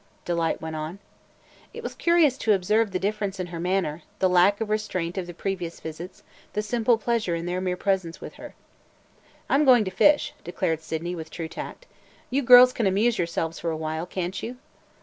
Delight went on. It was curious to observe the difference in her manner – the lack of the restraint of the previous visits, the simple pleasure in their mere presence with her. "I 'm going to fish," declared Sydney with true tact. "You girls can amuse yourselves for a while, can't you?"